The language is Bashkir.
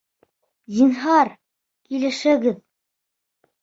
Зинһар, килешегеҙ!